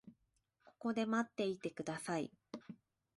ここで待っていてください。